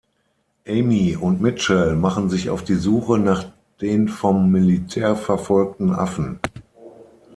Amy und Mitchell machen sich auf die Suche nach den vom Militär verfolgten Affen.